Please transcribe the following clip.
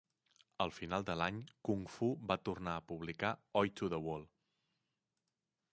Al final de l'any Kung Fu va tornar a publicar Oi to the World!